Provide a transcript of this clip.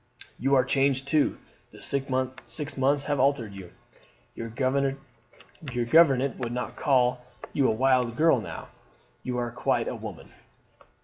You are changed too the six months have altered you. Your gouvernante would not call you a wild girl now. You are quite a woman.